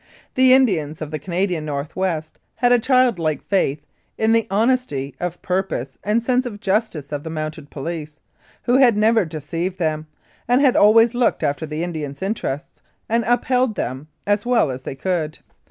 The Indians of the Canadian North West had a childlike faith in the honesty of purpose and sense of justice of the Mounted Police, who had never deceived them, and had always looked after the Indians' interests and upheld them as well as they could.